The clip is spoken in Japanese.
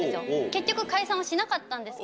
結局解散はしなかったんですけど。